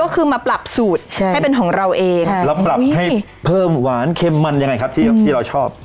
ก็คือมาปรับสูตรใช่ให้เป็นของเราเองเราปรับให้เพิ่มหวานเค็มมันยังไงครับที่เราชอบ